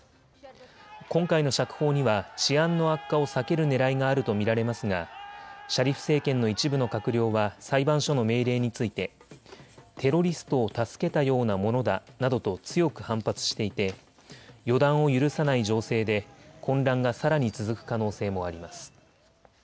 今回の釈放には治安の悪化を避けるねらいがあると見られますがシャリフ政権の一部の閣僚は裁判所の命令についてテロリストを助けたようなものだなどと強く反発していて予断を許さない情勢で混乱がさらに続く可能性もあります。